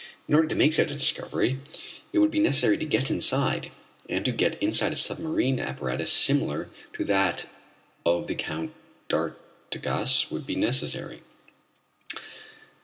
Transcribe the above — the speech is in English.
In order to make such a discovery it would be necessary to get inside, and to get inside a submarine apparatus similar to that of the Count d'Artigas would be necessary.